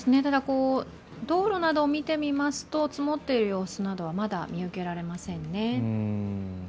ただ、道路などを見てみますと積もっている様子などはまだ見受けられませんね。